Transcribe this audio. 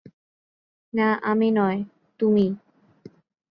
না, আমি নয়, তুমি!